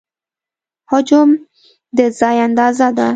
حجم د ځای اندازه ده.